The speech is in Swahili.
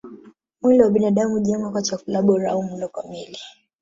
Mwili wa binadamu hujengwa kwa chakula bora au mlo kamili